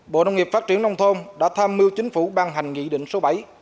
bộ nông nghiệp phát triển nông thôn đã tham mưu chính phủ ban hành nghị định số bảy